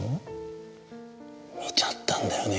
見ちゃったんだよね